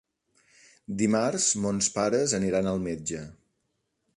Dimarts mons pares aniran al metge.